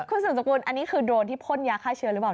คุณสุดสกุลอันนี้คือโดรนที่พ่นยาฆ่าเชื้อหรือเปล่า